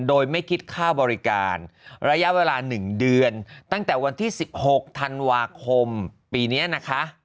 โดยไม่คิดค่าบริการระยะเวลา๑เดือนตั้งแต่วันที่๑๖ธันวาคมปีนี้นะคะ